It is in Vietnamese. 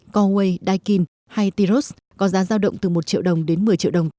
galway daikin hay tiros có giá giao động từ một triệu đồng đến một mươi triệu đồng